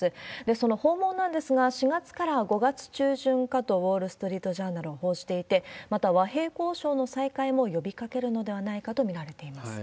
その訪問なんですが、４月から５月中旬かと、ウォール・ストリート・ジャーナルは報じていて、また和平交渉の再開も呼びかけるのではないかと見られています。